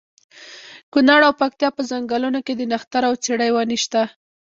کونړ او پکتیا په ځنګلونو کې د نښترو او څېړۍ ونې شته.